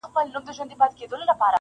د بېلتون په شپه وتلی مرور جانان به راسي-